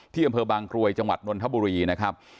เมืองเภอบางกรวยจังหวัดนวลธบุรีนะครับ